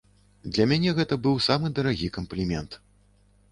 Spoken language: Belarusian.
Для мяне гэта быў самы дарагі камплімент.